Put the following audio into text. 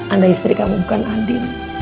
anda istri kamu bukan adik